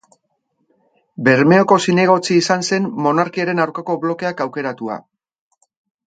Bermeoko zinegotzi izan zen monarkiaren aurkako blokeak aukeratua.